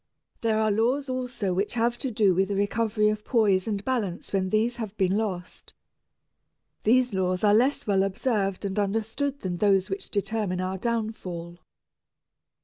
There are laws also which have to do with the recovery of poise and balance when these have been lost. These laws are less well observed and understood than those which determine our downfall.